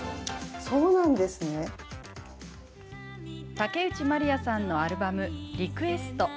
竹内まりやさんのアルバム「リクエスト」。